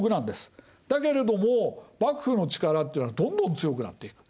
だけれども幕府の力っていうのがどんどん強くなっていく。